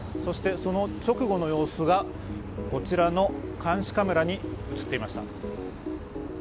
その直後の様子がこちらの監視カメラに映っていました。